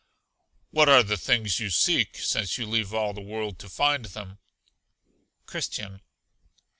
What are the things you seek, since you leave all the world to find them? Christian.